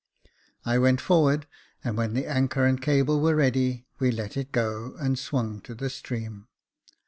I went forward, and when the anchor and cable were ready, we let it go, and swung to the stream.